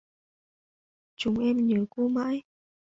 Chúng em nhớ cô mãi